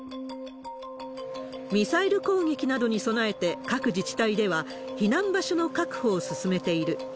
ミサイル攻撃などに備えて、各自治体では避難場所の確保を進めている。